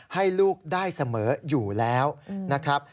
ให้ลูกได้เสมออยู่แล้วนะครับ